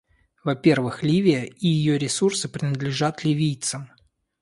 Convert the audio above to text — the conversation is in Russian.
Во-первых, Ливия и ее ресурсы принадлежат ливийцам.